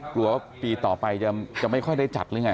กลัวว่าปีต่อไปจะไม่ค่อยได้จัดหรือไง